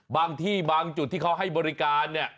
บางที่บางจุดที่เขาให้บริการเนี่ย